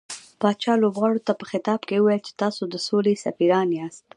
پاچا لوبغاړو ته په خطاب کې وويل چې تاسو د سولې سفيران ياست .